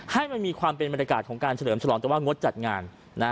ให้มันมีความเป็นบรรยากาศของการเฉลิมฉลองแต่ว่างดจัดงาน